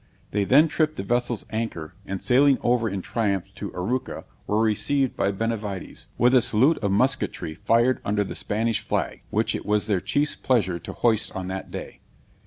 They then tripped the vessel's anchor, and sailing over in triumph to Arauca, were received by Benavides, with a salute of musketry fired under the Spanish flag, which it was their chief's pleasure to hoist on that day.